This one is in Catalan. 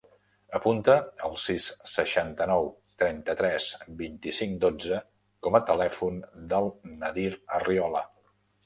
Apunta el sis, seixanta-nou, trenta-tres, vint-i-cinc, dotze com a telèfon del Nadir Arriola.